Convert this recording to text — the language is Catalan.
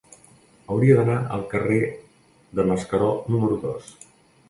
Hauria d'anar al carrer de Mascaró número dos.